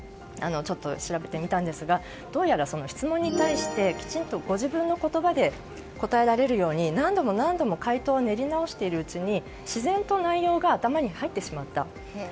ちょっと調べてみたんですがどうやら質問に対してきちんとご自分の言葉で答えられるように何度も何度も回答を練り直しているうちに自然と内容が頭に入ってしまった。